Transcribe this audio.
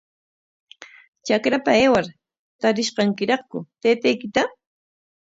Trakrapa aywar, ¿tarish kankiraqku taytaykita?